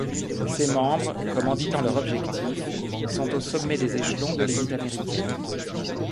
Ses membres, commanditant leur objectifs, sont au sommet des échelons de l'élite américaine.